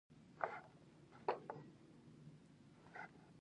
ورزش د روغتیا ضامن دی